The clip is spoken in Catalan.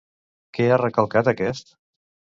Què ha recalcat aquest?